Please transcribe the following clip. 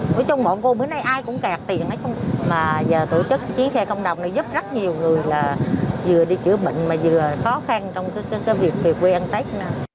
nói chung bọn cô mới này ai cũng kẹt tiền đấy mà giờ tổ chức chiến xe công đoàn này giúp rất nhiều người là vừa đi chữa bệnh mà vừa khó khăn trong cái việc quê ăn tết